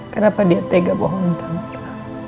kenapa dia tega bohongin tante